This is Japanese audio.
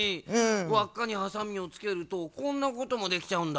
わっかにハサミをつけるとこんなこともできちゃうんだ。